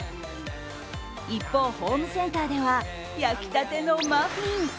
一方、ホームセンターでは焼き立てのマフィン。